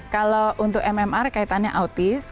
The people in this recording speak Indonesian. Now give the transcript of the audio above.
kalau untuk mmr kaitannya autis